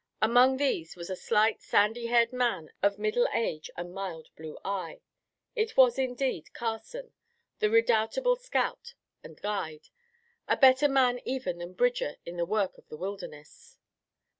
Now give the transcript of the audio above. Among these was a slight, sandy haired man of middle age and mild, blue eye. It was indeed Carson, the redoubtable scout and guide, a better man even than Bridger in the work of the wilderness.